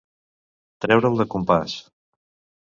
Treure'l de compàs.